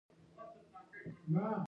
مرستې دایمي نه وي